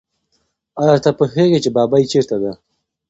آیا ته پوهېږې چې ببۍ چېرته ده؟